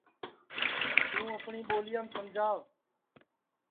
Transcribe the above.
توں اپٹؔے ٻولیام سمجا